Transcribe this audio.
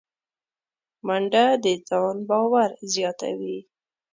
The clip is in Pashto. منډه د ځان باور زیاتوي